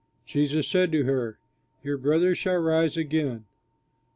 Jesus said to her, "Your brother shall rise again."